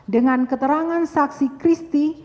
dengan keterangan saksi kristi